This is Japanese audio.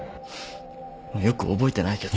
よく覚えてないけど。